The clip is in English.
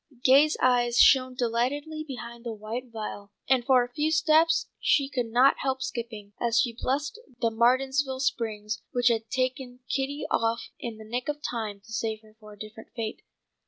Gay's eyes shone delightedly behind the white veil, and for a few steps she could not help skipping, as she blessed the Martinsville Springs, which had taken Kitty off in the nick of time to save her for a different fate.